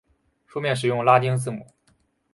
书面使用拉丁字母。